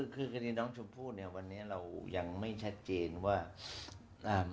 คือคดีน้องชมพู่เนี่ยวันนี้เรายังไม่ชัดเจนว่าอ่า